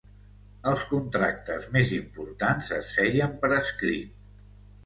Els contractes més importants es feien per escrit.